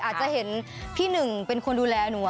อาจจะเห็นพี่หนึ่งเป็นคนดูแลหนู